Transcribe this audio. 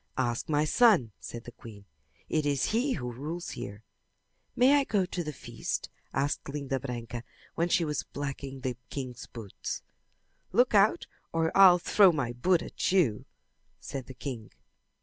"Ask my son," said the queen. "It is he who rules here." "May I go to the feast?" asked Linda Branca when she was blacking the king's boots. "Look out or I'll throw my boot at you," said the king.